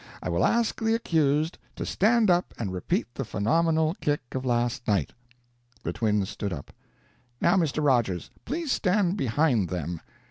I will ask the accused to stand up and repeat the phenomenal kick of last night." The twins stood up. "Now, Mr. Rogers, please stand behind them."